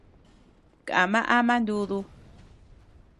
Kama ama nudu.